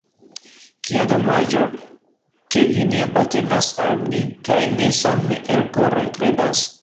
Kia domaĝo, ke vi ne apartenas al ni kaj ne same elkore kredas.